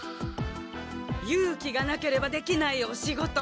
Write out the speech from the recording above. ゆうきがなければできないお仕事。